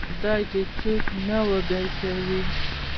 خدای دې څوک نه وږي کوي.